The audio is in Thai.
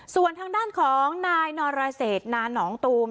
ส่วนทางด้านของนายนรเศษนานหนองตูม